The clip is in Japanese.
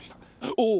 おお。